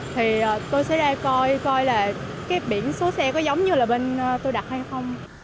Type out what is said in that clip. thì tôi sẽ ra coi coi là cái biển số xe có giống như là bên tôi đặt hay không